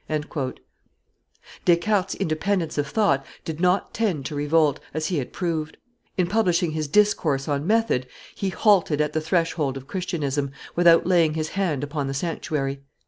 Descartes' independence of thought did not tend to revolt, as he had proved: in publishing his Discourse on Method he halted at the threshold of Christianism without laying his hand upon the sanctuary.